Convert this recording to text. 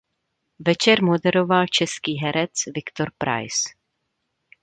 Večer moderoval český herec Viktor Preiss.